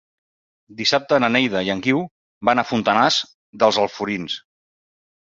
Dissabte na Neida i en Guiu van a Fontanars dels Alforins.